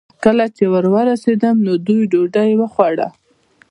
کله چې ور ورسېدم، نو دوی ډوډۍ خوړه.